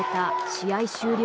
試合終了